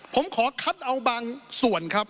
ผมขอคัดเอาบางส่วนครับ